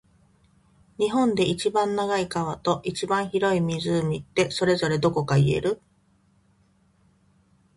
日本で一番長い川と、一番広い湖って、それぞれどこか言える？